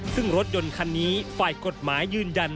ซึ่งรถยนต์คันนี้ฝ่ายกฎหมายยืนยัน